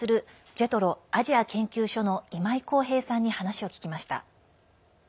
ＪＥＴＲＯアジア研究所の今井宏平さんに話を聞きました。